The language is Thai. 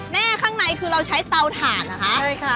แม่ข้างในคือเราใช้เตาถ่านนะคะ